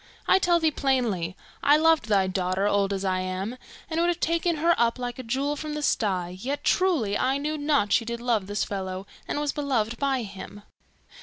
I tell thee plainly, I loved thy daughter, old as I am, and would have taken her up like a jewel from the sty, yet, truly, I knew not that she did love this fellow, and was beloved by him.